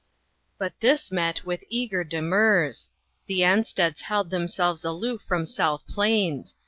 But this met with eager demurs. The Ansteds held themselves aloof from South Plains.